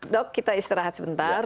dok kita istirahat sebentar